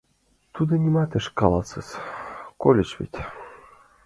— Тудо нимат ыш каласыс, кольыч вет.